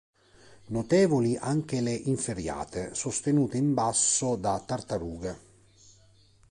Notevoli anche le inferriate, sostenute in basso da tartarughe.